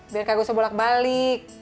biar gak usah bolak balik